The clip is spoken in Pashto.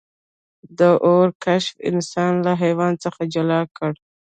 د اور کشف انسان له حیوان څخه جلا کړ.